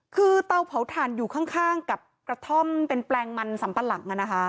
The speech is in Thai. คือเตาเผาถ่านอยู่ข้างกับกระท่อมเป็นแปลงมันสัมปะหลัง